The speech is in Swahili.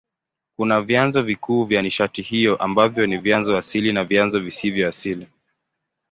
Kuna vyanzo vikuu vya nishati hiyo ambavyo ni vyanzo asili na vyanzo visivyo asili.